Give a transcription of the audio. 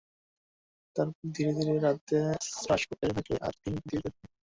তারপর ধীরে ধীরে রাত হ্রাস পেতে থাকে আর দিন বৃদ্ধি পেতে থাকে।